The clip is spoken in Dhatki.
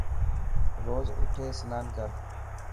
روز اوٺي سنان ڪر.